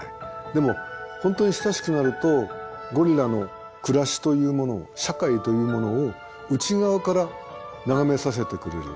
でも本当に親しくなるとゴリラの暮らしというものを社会というものを内側から眺めさせてくれる。